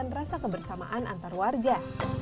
untuk menumbuhkan rasa kebersamaan antar warga